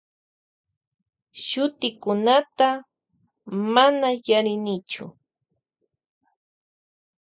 Shutikunata mana yarinichu.